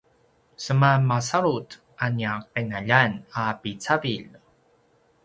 seman masalut a nia qinaljan a picavilj